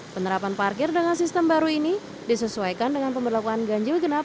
penerapan parkir dengan sistem baru ini disesuaikan dengan pemberlakuan ganjil genap